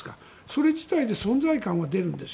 それ自体で存在感は出るんです